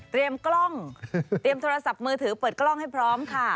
กล้องเตรียมโทรศัพท์มือถือเปิดกล้องให้พร้อมค่ะ